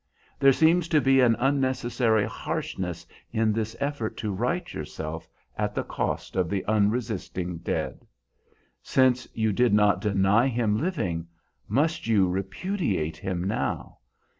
There seems to be an unnecessary harshness in this effort to right yourself at the cost of the unresisting dead. Since you did not deny him living, must you repudiate him now?